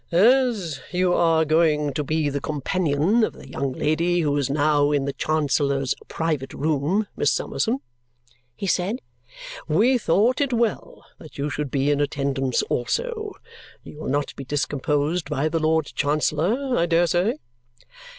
"As you are going to be the companion of the young lady who is now in the Chancellor's private room, Miss Summerson," he said, "we thought it well that you should be in attendance also. You will not be discomposed by the Lord Chancellor, I dare say?"